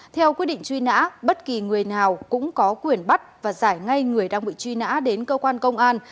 theo quyết định truy nã bất kỳ người nào cũng có quyền bắt và giải ngay người đang bị truy nã đến cơ quan công an